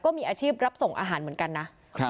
มีอาชีพรับส่งอาหารเหมือนกันนะ